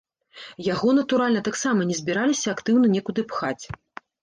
Яго, натуральна, таксама не збіраліся актыўна некуды пхаць.